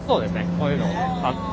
こういうのを貼って。